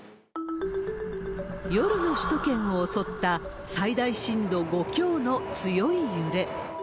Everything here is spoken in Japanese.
夜の首都圏を襲った最大震度５強の強い揺れ。